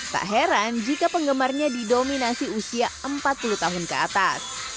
tak heran jika penggemarnya didominasi usia empat puluh tahun ke atas